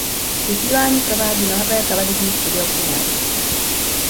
Vysílání provádí nové televizní studio v Inari.